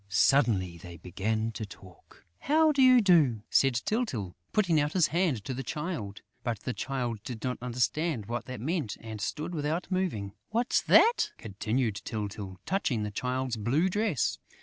Suddenly, they began to talk: "How do you do?" said Tyltyl, putting out his hand to the Child. But the Child did not understand what that meant and stood without moving. "What's that?" continued Tyltyl, touching the Child's blue dress.